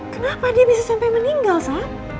kenapa dia bisa sampai meninggal saat